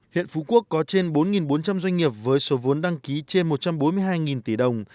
hiện phú quốc có trên bốn bốn trăm linh doanh nghiệp với số vốn đăng ký trên một trăm bốn mươi hai tỷ đồng